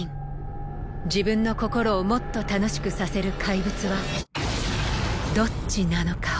自分の心をもっと楽しくさせるかいぶつはどっちなのかを